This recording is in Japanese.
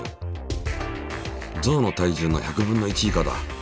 象の体重の１００分の１以下だ。